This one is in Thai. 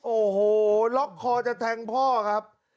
โอ้โหล็อกคอจะแทงพ่อครับ